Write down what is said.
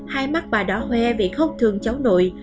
hai mắt bà đỏ hoe vì khóc thương cháu nội